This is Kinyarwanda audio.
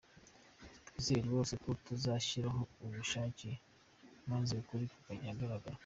Twizere rwose ko bazashyiraho ubushake maze ukuri kukajya ahagaragara